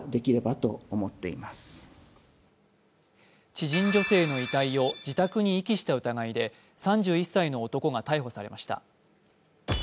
知人女性の遺体を自宅に遺棄した疑いで、３１歳の男が逮捕されました。